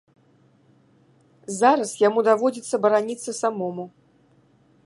Зараз яму даводзіцца бараніцца самому.